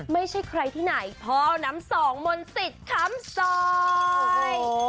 ไม่ใช่ใครที่ไหนพ่อน้ำสองมนศิษย์คำซอย